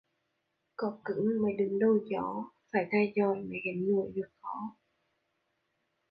Có cứng mới đứng đầu gió: phải tài giỏi mới gánh nổi việc khó